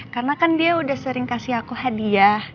karena kan dia udah sering kasih aku hadiah